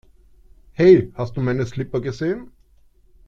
Hey, hast du meine Slipper gesehen?